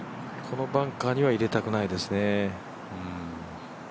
このバンカーには入れたくないですね。